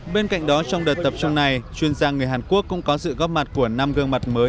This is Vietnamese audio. bên cạnh đó trong đợt tập trung này chuyên gia người hàn quốc cũng có sự góp mặt của năm gương mặt mới